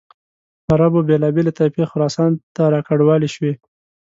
عربو بېلابېلې طایفې خراسان ته را کډوالې شوې.